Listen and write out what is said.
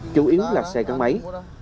chủ yếu là xe căn máy